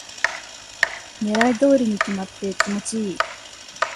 狙い通りに決まって気持ちいい